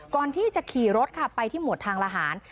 ก่อนที่จะขี่รถค่ะไปที่หมวดทางละหาร